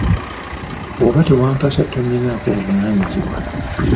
Bw'oba tewampasa tonninaako buvunaanyizibwa.